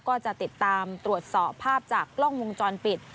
ก็จะติดตามตรวจสอบภาพจากกล้องวงจรปิด